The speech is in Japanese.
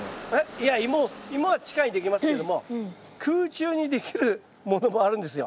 いやイモは地下にできますけども空中にできるものもあるんですよ。